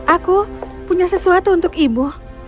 aku punya sesuatu untuk ibu